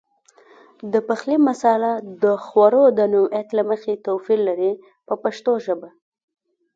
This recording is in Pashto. د پخلي مساله د خوړو د نوعیت له مخې توپیر لري په پښتو ژبه.